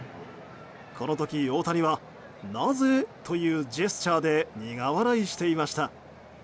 この時、大谷はなぜ？というジェスチャーで苦笑いしていました。